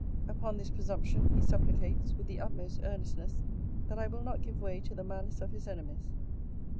'Upon this presumption, he supplicates, with the utmost earnestness, that I will not give way to the malice of his enemies.